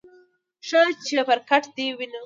ښه چپرکټ دې ونیو.